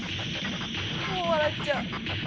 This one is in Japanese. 「もう笑っちゃう」